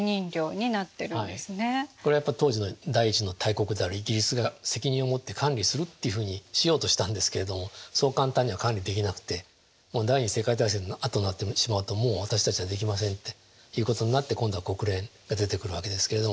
これはやっぱ当時の第一の大国であるイギリスが責任を持って管理するっていうふうにしようとしたんですけれどもそう簡単には管理できなくて第二次世界大戦のあとになってしまうともう私たちはできませんっていうことになって今度は国連が出てくるわけですけれども。